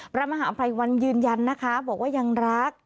พระมหาภัยวันยืนยันนะคะบอกว่ายังรัก